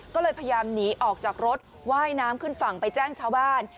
ก็เลยพยายามหนีออกจากรถว่ายน้ำขึ้นฝั่งไปแจ้งชาวบ้าน